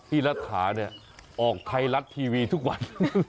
รัฐาเนี่ยออกไทยรัฐทีวีทุกวัน